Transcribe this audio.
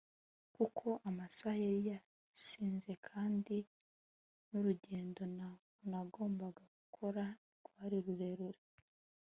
kuko amasaha yari yansize kandi nurugendo nagombaga gukora rwari rurerure